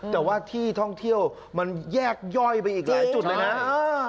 แต่ว่าที่ท่องเที่ยวมันแยกย่อยไปอีกหลายจุดเลยนะ